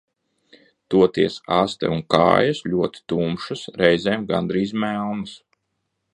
Toties aste un kājas ļoti tumšas, reizēm gandrīz melnas.